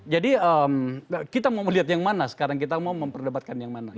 jadi kita mau melihat yang mana sekarang kita mau memperdebatkan yang mana